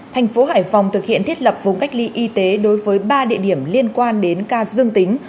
thành phố hải phòng thực hiện thiết lập vùng cách ly y tế đối với ba địa điểm liên quan đến ca dương tính